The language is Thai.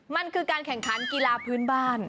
มันคือการแข่งขันกีฬาพื้นบ้าน